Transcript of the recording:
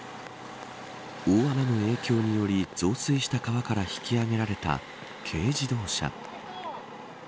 大雨の影響により増水した川から引き揚げられた軽自動車。